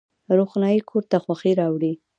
روښنايي کور ته خوښي راوړي